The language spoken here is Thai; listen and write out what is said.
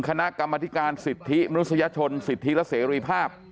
คณะกรรมธิการสิทธิมนุษยชนสิทธิและเสรีภาพ